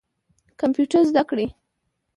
کمپیوټر زده کړئ